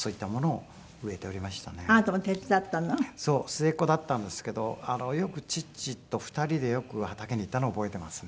末っ子だったんですけど父と２人でよく畑に行ったのを覚えていますね。